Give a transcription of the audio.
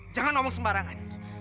jangan omong sembarangan